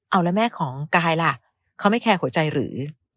เอาแล้วแม่ของกายล่ะเขาไม่แคร์หัวใจหรือ